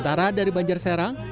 tara dari banjar serang